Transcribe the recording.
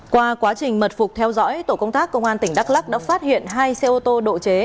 qua quá trình mật phục theo dõi tổ công tác công an tỉnh đắk lắc đã phát hiện hai xe ô tô độ chế